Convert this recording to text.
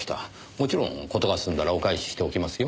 もちろん事が済んだらお返ししておきますよ。